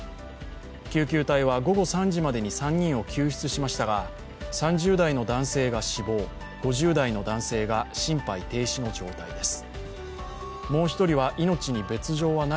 救急隊は午後３時までに３人を救出しましたが、３０代の男性が死亡、５０代の男性が心肺停止の状態です。